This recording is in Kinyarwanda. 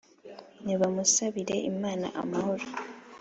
Nibamusabire Imana amahoro